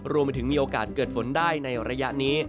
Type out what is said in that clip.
มีโอกาสเกิดฝนได้ในระยะนี้